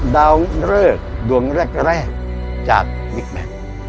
ดาวน์เริกดวงแรกจากวิกแมน